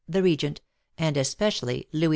the Regent, and especially Louis XV.